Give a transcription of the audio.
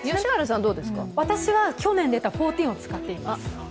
私は去年出た１４を使ってます。